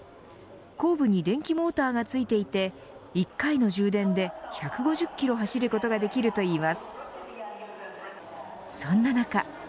後部に電気モーターが付いていて１回の充電で、１５０キロ走ることができるといいます。